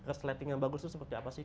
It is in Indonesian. resleting yang bagus itu seperti apa sih